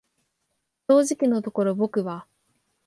正直のところ僕は、